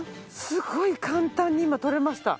すごい簡単に今とれました。